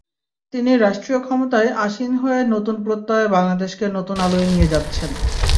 তিনি রাষ্ট্রীয় ক্ষমতায় আসীন হয়ে নতুন প্রত্যয়ে বাংলাদেশকে নতুন আলোয় নিয়ে যাচ্ছেন।